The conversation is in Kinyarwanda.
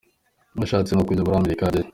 ashatse no kujya muri Amerika yajyayo.